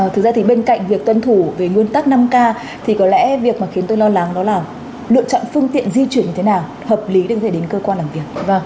thực ra thì bên cạnh việc tuân thủ về nguyên tắc năm k thì có lẽ việc mà khiến tôi lo lắng đó là lựa chọn phương tiện di chuyển như thế nào hợp lý để có thể đến cơ quan làm việc